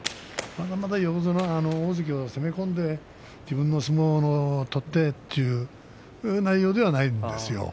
横綱大関の攻め大関を攻め込んで自分の相撲を取ってという内容ではないですね。